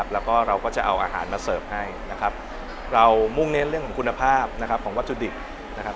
แล้วก็เราก็จะเอาอาหารมาเสิร์ฟให้เรามุ่งเน้นเรื่องคุณภาพของวัตถุดิบ